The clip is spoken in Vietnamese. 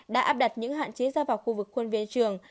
đã áp đặt những hạn chế ra vào khu vực khuôn viên trường